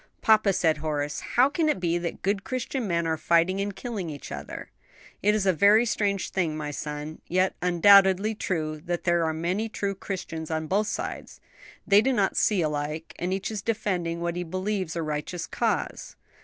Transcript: '" "Papa," said Horace, "how can it be that good Christian men are fighting and killing each other?" "It is a very strange thing, my son; yet undoubtedly true that there are many true Christians on both sides. They do not see alike, and each is defending what he believes a righteous cause."